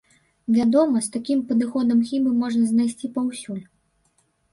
Вядома, з такім падыходам хібы можна знайсці паўсюль.